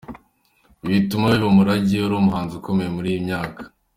Wituma biba umurage ,uri umuhanzi ukomeye muri iyi myaka.